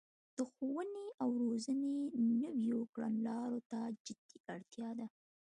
د ښوونې او روزنې نويو کړنلارو ته جدي اړتیا ده